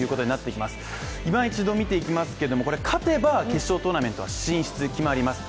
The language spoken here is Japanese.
いま一度見ていきますけれども、これ勝てば決勝トーナメント進出は決まります。